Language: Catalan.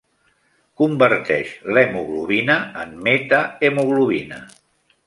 Converteix l'hemoglobina en metahemoglobina.